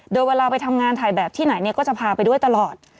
โดยเวลาไปทำงานถ่ายแบบที่ไหนก็จะพาไปด้วยตลอด